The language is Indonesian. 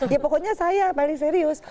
ya pokoknya saya paling serius